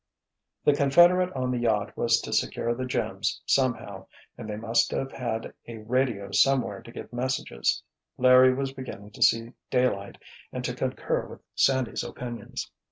"The confederate on the yacht was to secure the gems, somehow, and they must have had a radio somewhere to get messages," Larry was beginning to see daylight and to concur with Sandy's opinions.